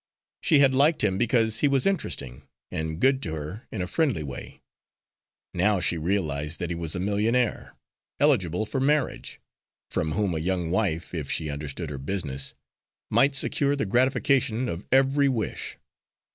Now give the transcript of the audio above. She had liked him because he was interesting, and good to her in a friendly way. Now she realised that he was a millionaire, eligible for marriage, from whom a young wife, if she understood her business, might secure the gratification of every wish.